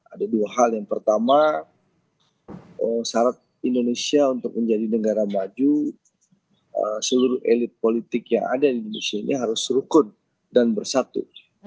ada dua hal yang pertama syarat indonesia untuk menjadi negara maju seluruh elit politik yang ada di indonesia ini harus rukun dan bersatu